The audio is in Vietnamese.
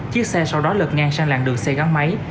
chiếc xe sau đó lật ngang sang làng đường xe gắn máy